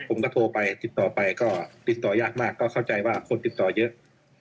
ผมก็โทรไปติดต่อไปก็ติดต่อยากมากก็เข้าใจว่าคนติดต่อเยอะ